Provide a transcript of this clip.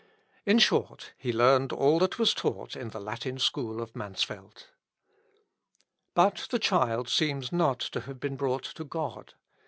In short, he learned all that was taught in the Latin school of Mansfeld. But the child seems not to have been brought to God.